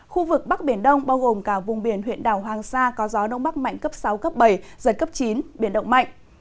khu vực bắc biển đông bao gồm cả vùng biển huyện đảo hoàng sa có gió đông bắc mạnh cấp sáu cấp bảy giật cấp chín biển động mạnh